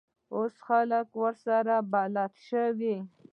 اوس خلک ورسره بلد شوي.